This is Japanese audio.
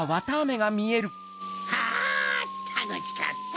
はぁたのしかった！